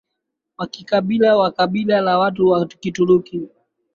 wa kikabila wa kabila la watu wa Kituruki